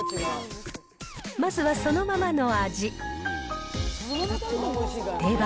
まずはそのままの味。